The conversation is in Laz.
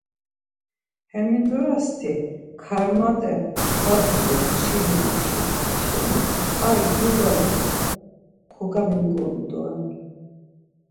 Hemindorasti Karmat̆e badi do çili muşi şeni ar dubara kogamingonu doren.